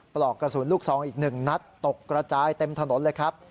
ปลอกกระสุนลูกซองอีก๑นัดตกกระจายเต็มถนนเลยครับ